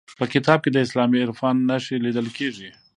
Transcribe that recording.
په کتاب کې د اسلامي عرفان نښې لیدل کیږي.